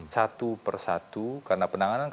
satu per satu karena penanganan